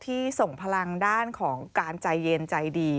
ที่ส่งพลังด้านของการใจเย็นใจดี